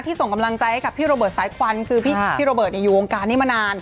ส่งกำลังใจให้กับพี่โรเบิร์ตสายควันคือพี่โรเบิร์ตอยู่วงการนี้มานาน